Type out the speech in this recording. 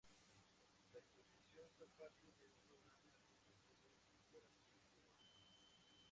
La explosión fue parte de un programa sísmico de exploración geológica.